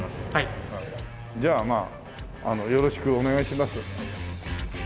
じゃあまあよろしくお願いします。